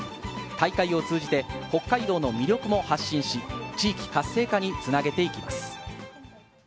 大会を通じて北海道の魅力を発信し、地域活性化につなげていきます。